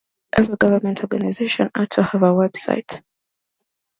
Every government organization ought to have a website